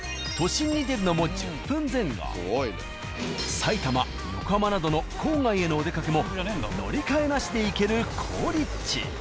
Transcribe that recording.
埼玉横浜などの郊外へのお出かけも乗り換えなしで行ける好立地。